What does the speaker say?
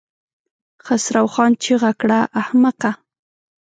خسرو خان چيغه کړه! احمقه!